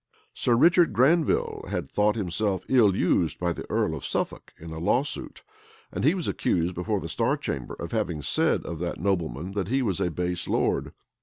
Sir Richard Granville had thought himself ill used by the earl of Suffolk in a lawsuit; and he was accused before the star chamber of having said of that nobleman, that he was a base lord.